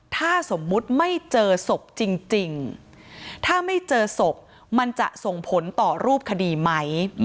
ถ้าสมมุติไม่เจอศพจริงถ้าไม่เจอศพมันจะส่งผลต่อรูปคดีไหม